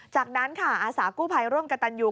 จากนั้นค่ะอาสากู้ภัยร่วมกับตันยู